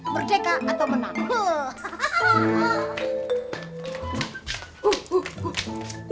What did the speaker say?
merdeka atau menang